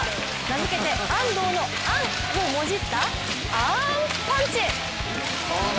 名付けて安藤のアンをもじったアンパンチ！